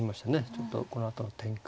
ちょっとこのあとの展開を。